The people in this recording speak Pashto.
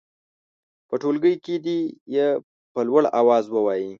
په ټولګي کې دې یې په لوړ اواز ووايي.